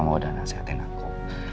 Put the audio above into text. mama udah nasihatin aku